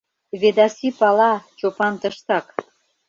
Ведаси пала: Чопан тыштак.